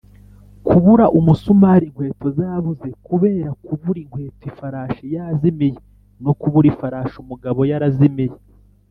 kubura umusumari inkweto zabuze; kubera kubura inkweto ifarashi yazimiye; no kubura ifarashi umugabo yarazimiye